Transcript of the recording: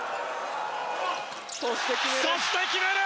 そして、決める！